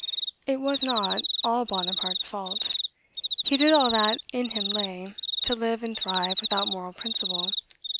It was not Bonaparte's fault. He did all that in him lay, to live and thrive without moral principle.